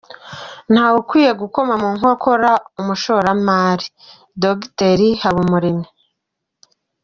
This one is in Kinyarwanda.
Ntawe ukwiye gukoma mu nkokora umushoramari- Dogiteri. Habumuremyi